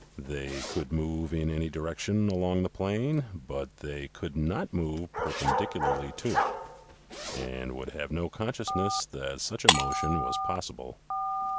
They could move in any direction along the plane, but they could not move perpendicularly to it, and would have no consciousness that such a motion was possible.